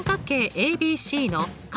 ＡＢＣの∠